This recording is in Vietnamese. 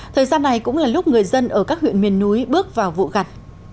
thời gian này cũng là lúc người dân ở các huyện miền núi bước vào vụ gặt